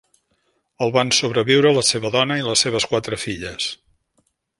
El van sobreviure la seva dona i les seves quatre filles.